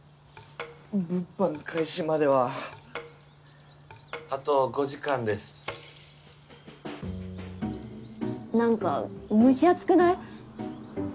物販開始まではあと５時間ですなんか蒸し暑くない？